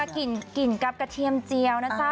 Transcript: กินกับกระเทียมเจียวนะจ๊ะ